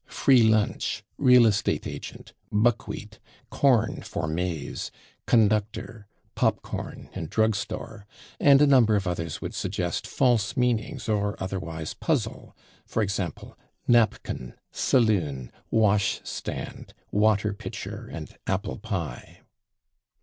/free lunch/, /real estate agent/, /buckwheat/, /corn/ (for /maize/), /conductor/, /pop corn/ and /drug store/ and a number of others would suggest false meanings or otherwise puzzle /e. g./, /napkin/, /saloon/, /wash stand/, /water pitcher/ and /apple pie